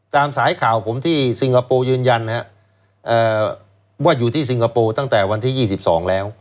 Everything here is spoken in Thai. ตามสายข่าวผมที่ซิงคโปร์ยืนยันว่าอยู่ที่สิงคโปร์ตั้งแต่วันที่๒๒แล้ว